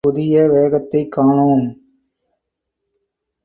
புதிய வேகத்தைக் காணோம்.